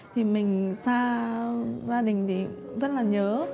thì mình xa gia đình thì rất là nhớ